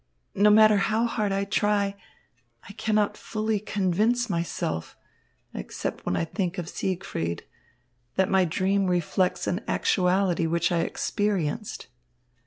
No matter how hard I try, I cannot fully convince myself, except when I think of Siegfried, that my dream reflects an actuality which I experienced."